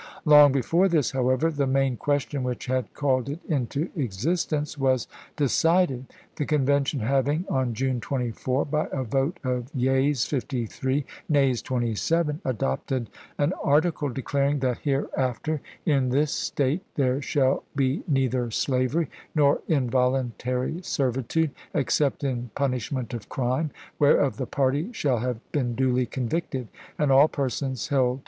Long before this, however, the main question which had called it into existence was de 1864. cided, the Convention ha\ing, on June 24, by a vote of yeas fifty three, nays twenty seven, adopted an article declaring " that hereafter in this State there shall be neither slavery nor involuntary servitude, except in punishment of crime, whereof the party shall have been duly convicted ; and all persons AmeSn!"